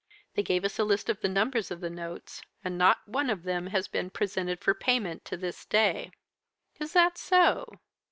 They gave us a list of the numbers of the notes; and not one of them has been presented for payment to this day.' "'Is that so?'